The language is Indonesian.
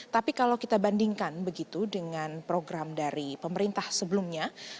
tapi kalau kita bandingkan begitu dengan program dari pemerintah sebelumnya